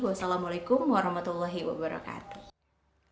wassalamualaikum warahmatullahi wabarakatuh